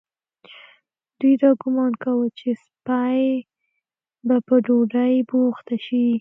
دوی دا ګومان کاوه چې سپۍ به په ډوډۍ بوخته شي.